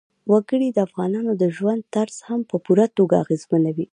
وګړي د افغانانو د ژوند طرز هم په پوره توګه اغېزمنوي.